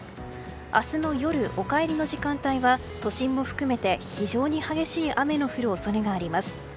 明日の夜、お帰りの時間帯は都心も含めて非常に激しい雨の降る恐れがあります。